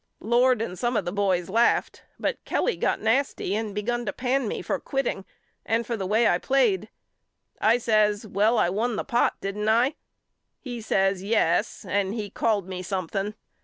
Lord and some of the boys laughed but Kelly got nasty and begun to pan me for quitting and for the way I played. I says Well I won the pot didn't I? He says Yes and he called me something.